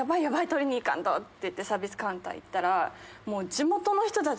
取りに行かんと！ってサービスカウンター行ったら。